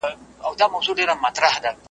تاته نه ښايي دا کار د ساده ګانو .